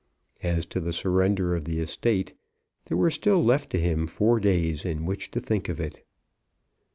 As to the surrender of the estate there were still left to him four days in which to think of it.